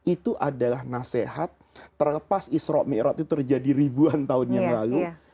itu adalah nasihat terlepas isroq mi'rat itu terjadi ribuan tahun yang lalu